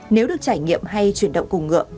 nếu được trải nghiệm hay chuyển động cùng ngựa